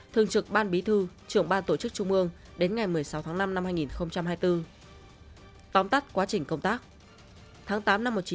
thường trực ban bí thư trưởng ban tổ chức trung mương đến ngày một mươi sáu tháng năm năm hai nghìn một mươi bốn